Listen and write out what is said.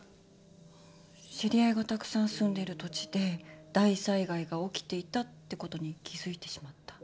知り合いがたくさん住んでる土地で大災害が起きていたってことに気付いてしまった。